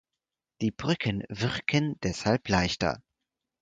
Die Brücken wirken deshalb leichter.